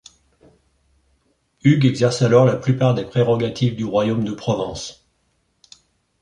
Hugues exerce alors la plupart des prérogatives du royaume de Provence.